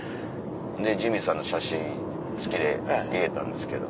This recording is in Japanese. ジミーさんの写真付きで入れたんですけど。